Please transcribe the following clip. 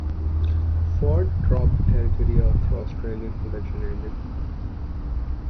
Ford dropped the Territory after Australian production ended.